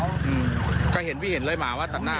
หลังไปเห็นพี่เห็นหมาว่าตัดหน้า